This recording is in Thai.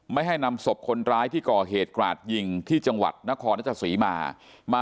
ไม่ให้นำศพคนร้ายที่ก่อเหตุกราดยิงที่จังหวัดนครราชสีมา